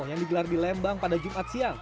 yang digelar di lembang pada jumat siang